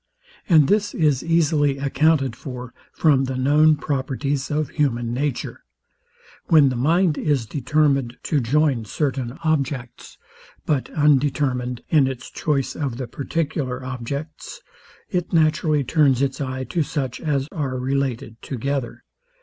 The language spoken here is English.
And this is easily accounted for from the known properties of human nature. When the mind is determined to join certain objects, but undetermined in its choice of the particular objects, It naturally turns its eye to such as are related together.